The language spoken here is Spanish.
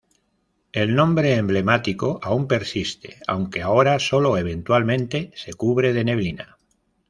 El nombre emblemático aún persiste, aunque ahora sólo eventualmente se cubre de neblina.